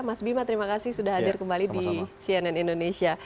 mas bima terima kasih sudah hadir kembali di cnn indonesia